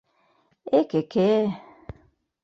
Эк-ке-ке!